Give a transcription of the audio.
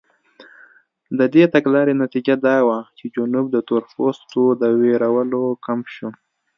د دې تګلارې نتیجه دا وه چې جنوب د تورپوستو د وېرولو کمپ شو.